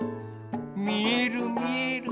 みえるみえる。